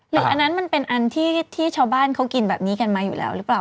อันนั้นมันเป็นอันที่ชาวบ้านเขากินแบบนี้กันมาอยู่แล้วหรือเปล่า